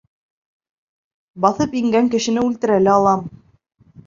Баҫып ингән кешене үлтерә лә алам.